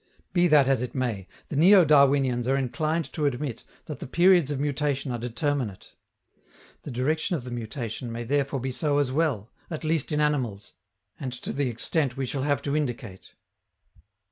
Be that as it may, the neo Darwinians are inclined to admit that the periods of mutation are determinate. The direction of the mutation may therefore be so as well, at least in animals, and to the extent we shall have to indicate.